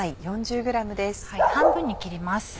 半分に切ります。